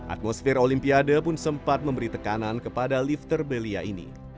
atmosfer olimpiade pun sempat memberi tekanan kepada lifter belia ini